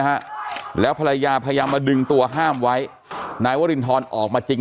ฮะแล้วภรรยาพยายามมาดึงตัวห้ามไว้นายวรินทรออกมาจริง